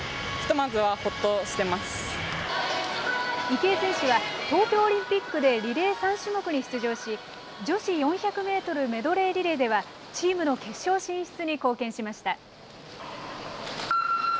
池江選手は、東京オリンピックでリレー３種目に出場し、女子４００メートルメドレーリレーでは、チームの決勝進出に貢献しました。